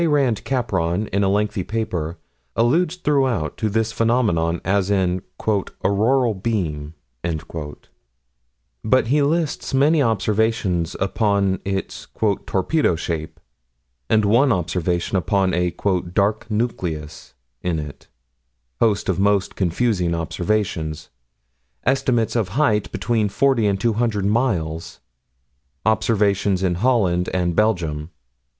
Rand Capron, in a lengthy paper, alludes throughout to this phenomenon as an "auroral beam," but he lists many observations upon its "torpedo shape," and one observation upon a "dark nucleus" in it host of most confusing observations estimates of height between 40 and 200 miles observations in Holland and Belgium.